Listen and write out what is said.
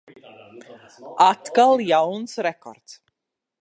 Atkal jauns rekords.